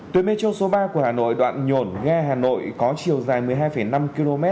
tuyến metro số ba của hà nội đoạn nhổn ga hà nội có chiều dài một mươi hai năm km